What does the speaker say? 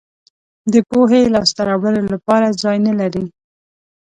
د پوهې لاسته راوړلو لپاره ځای نه لرئ.